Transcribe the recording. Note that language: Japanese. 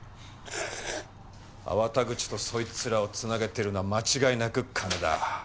粟田口とそいつらを繋げてるのは間違いなく金だ。